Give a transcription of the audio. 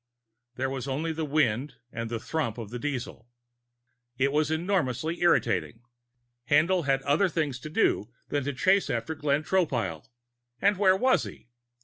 There was only the wind and the thrum of the diesel. It was enormously irritating. Haendl had other things to do than to chase after Glenn Tropile. And where was he?